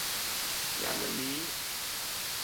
งานวันนี้